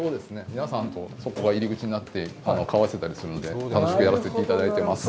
皆さんとそこが入り口になって、顔を合わせたりするので、楽しくやらせていただいています。